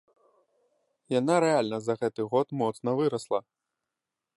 Яна рэальна за гэты год моцна вырасла.